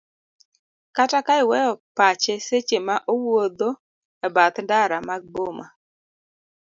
kata ka iweyo pache seche ma owuodho e bath ndara mag boma